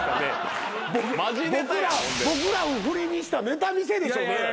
僕らを振りにしたネタ見せでしょ。